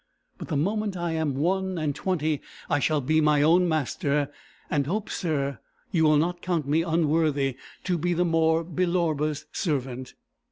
But the moment, I am one and twenty, I shall be my own master, and hope, sir, you will not count me unworthy to be the more Belorba's servant.